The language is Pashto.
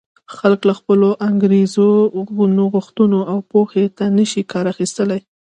خلک له خپلو انګېزو، نوښتونو او پوهې نه شي کار اخیستلای.